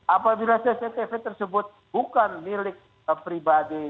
apabila cctv tersebut bukan milik pribadi